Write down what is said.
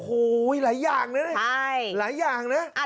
โอ้โหหลายอย่างนะหลายอย่างนะ